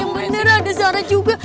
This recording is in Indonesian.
ya bener ada zara juga